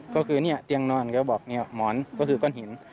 ก็คือเตียงนอนหมอนก็คือก้อนหิน